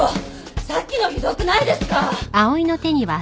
さっきのひどくないですか！？